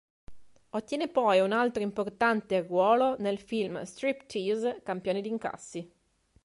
Ottiene poi un altro importante ruolo nel film "Striptease", campione di incassi.